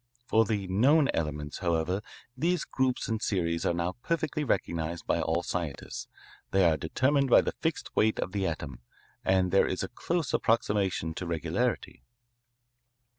For the known elements, however, these groups and series are now perfectly recognised by all scientists; they are determined by the fixed weight of the atom, and there is a close approximation to regularity.